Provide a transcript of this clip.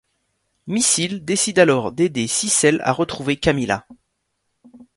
Missile décide alors d'aider Sissel à retrouver Kamila.